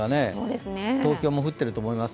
東京も降っていると思います。